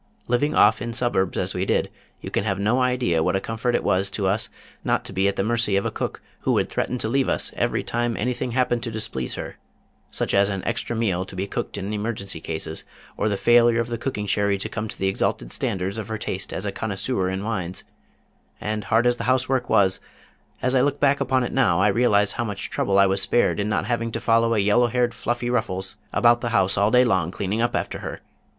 Living off in suburbs as we did, you can have no idea of what a comfort it was to us not to be at the mercy of a cook who would threaten to leave us every time anything happened to displease her, such as an extra meal to be cooked in emergency cases, or the failure of the cooking sherry to come up to the exalted standards of her taste as a connoisseur in wines, and hard as the housework was, as I look back upon it now, I realize how much trouble I was spared in not having to follow a yellow haired fluffy ruffles about the house all day long cleaning up after her.